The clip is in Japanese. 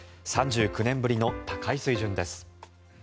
３９年ぶりの高い水準です。